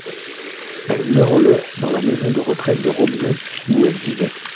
Elle meurt le dans la maison de retraite de Robion où elle vivait.